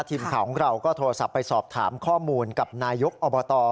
ทีมข่าวของเราก็โทรศัพท์ไปสอบถามข้อมูลกับนายกอบต